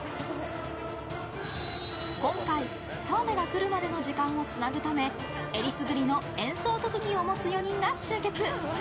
今回、澤部が来るまでの時間をつなぐため選りすぐりの演奏特技を持つ４人が集結！